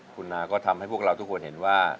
คุณนาก็ทำให้พวกเราทุกคนเห็นว่า